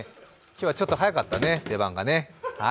今日はちょっと早かったね、出番がね。